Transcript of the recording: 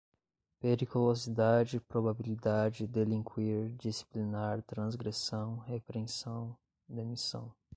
periculosidade, probabilidade, delinquir, disciplinar, transgressão, repreensão, demissão